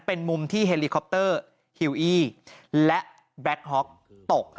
เป็นมุมที่เฮลิคอปเตอร์ฮิวอี้และแบล็คฮ็อกตก